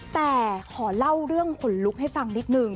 แต่ขอเล่าเรื่องขนลุกให้ฟังนิดนึง